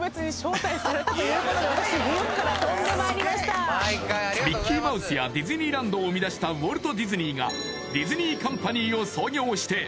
何とですねということで私ミッキーマウスやディズニーランドを生み出したウォルト・ディズニーがディズニーカンパニーを創業して